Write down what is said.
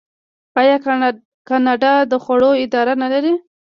آیا کاناډا د خوړو اداره نلري؟